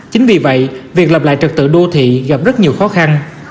chính vì vậy việc lập lại trật tự đô thị gặp rất nhiều khó khăn